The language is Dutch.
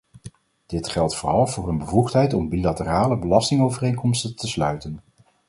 Dit geldt vooral voor hun bevoegdheid om bilaterale belastingovereenkomsten te sluiten.